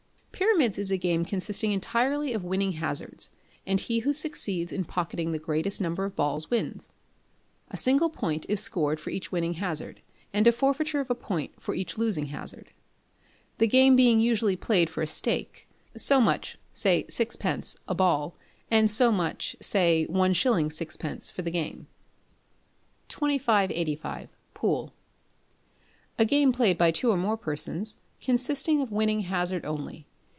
Pyramids is a game consisting entirely of winning hazards, and he who succeeds in pocketing the greatest number of balls, wins. A single point is scored for each winning hazard, and a forfeiture of a point for each losing hazard; the game being usually played for a stake so much (say 6d.) a ball, and so much (say 1s. 6d.) for the game. 2585. Pool. A game played by two or more persons, consisting of winning hazard only.